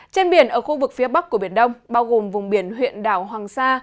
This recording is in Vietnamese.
trên biển ở khu vực phía bắc của biển đông bao gồm vùng biển huyện đảo hoàng sa